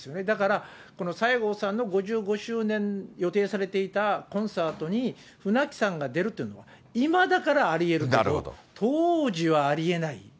だから、この西郷さんの５５周年予定されていたコンサートに、舟木さんが出るというのは、今だからありえると。当時はありえない。